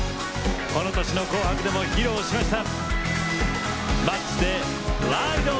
この年の「紅白」でも披露しました。